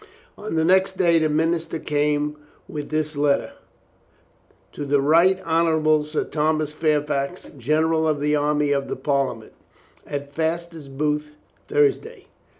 On the next day the minister came with this let ter: To the Right Honorable Sir Thomas Fairfax, Gen eral of the Army of the Parliament : At Faster's Booth, Thursday.